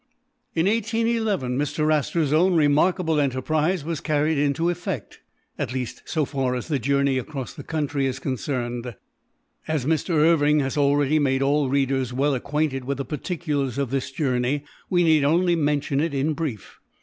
In 1811, Mr. Astor's own remarkable enterprise was carried into effect — at least so far as the joumey across the country is concerned. As Mr. Irving has already made all readers well acquainted with the particulars of this journey, we need only mention it in brief.